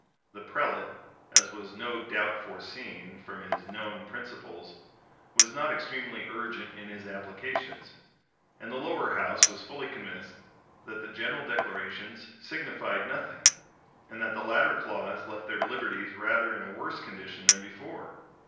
The prelate, as was no doubt foreseen, from his known principles, was not extremely urgent in his applications; and the lower house was fully convinced that the general declarations signified nothing, and that the latter clause left their liberties rather in a worse condition than before.